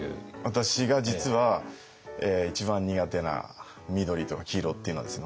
私が実は一番苦手な緑とか黄色っていうのはですね